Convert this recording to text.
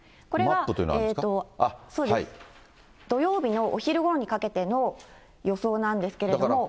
これは、土曜日のお昼ごろにかけての予想なんですけども。